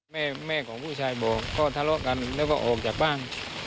แม่แม่ของผู้ชายบอกก็ทะเลาะกันแล้วก็ออกจากบ้าน